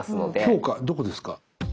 評価どこですか？